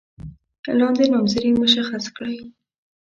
لاندې نومځري مشخص کړئ.